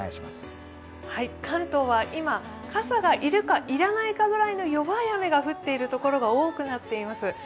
関東は今、傘が要るか要らないかぐらいの弱い雨が降っている所が多くなっています。